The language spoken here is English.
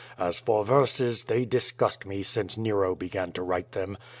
As for verses, they disgust me since Nero began to write them.